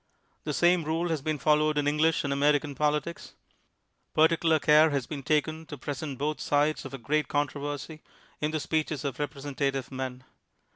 The same rule has been followed in English and American politics. Particular care has been taken to present both sides of a great contro versy in the speeches of representative men.